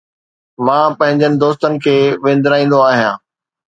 مان پنهنجن دوستن کي وندرائيندو آهيان